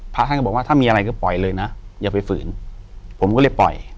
พระท่านก็บอกว่าถ้ามีอะไรก็ปล่อยเลยนะอย่าไปฝืนผมก็เลยปล่อย